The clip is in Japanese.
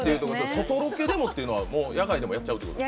外ロケでもっていうのは野外でもやっちゃうってこと？